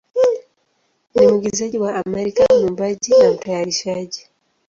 ni mwigizaji wa Amerika, mwimbaji, na mtayarishaji.